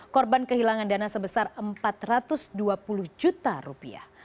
korban kehilangan dana sebesar empat ratus dua puluh juta rupiah